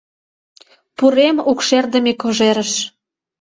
Пурем укшердыме кожерыш.